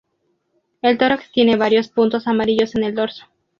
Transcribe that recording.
El tórax tiene varios puntos amarillos en el dorso.